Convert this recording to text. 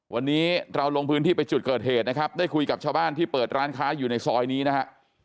วันนี้เราลงพื้นที่ไปจุดเกิดเหตุนะครับได้คุยกับชาวบ้านที่เปิดร้านค้าอยู่ในซอยนี้นะฮะ